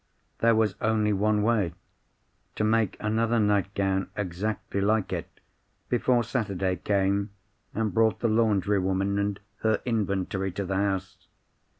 "There was only one way—to make another nightgown exactly like it, before Saturday came, and brought the laundry woman and her inventory to the house.